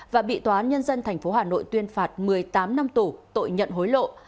và bị tòa án nhân dân tp hà nội tuyên phạt một mươi tám năm tù tội nhận hối lộ